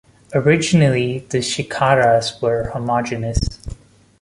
Originally, the shikharas were homogeneous.